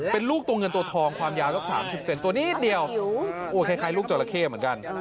เป็นลูกตัวเงินตัวทองความยาวสัก๓๐เซนตัวนิดเดียวโอ้คล้ายลูกจราเข้เหมือนกัน